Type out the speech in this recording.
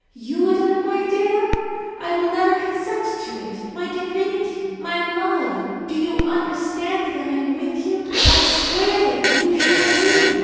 You die, my Dea? I will never consent to it! My divinity, my love! Do you understand that I am with you? I swear that you shall live!